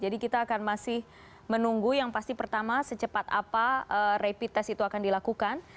jadi kita akan masih menunggu yang pasti pertama secepat apa rapid test itu akan dilakukan